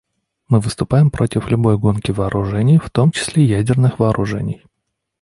Мы выступаем против любой гонки вооружений, в том числе ядерных вооружений.